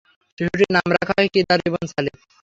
শিশুটির নাম রাখা হয় কিদার ইবন সালিফ।